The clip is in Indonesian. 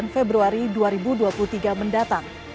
sembilan februari dua ribu dua puluh tiga mendatang